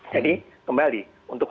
jadi kembali untuk